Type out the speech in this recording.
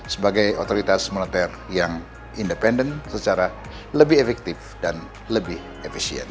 sebagai otoritas moneter yang independen secara lebih efektif dan lebih efisien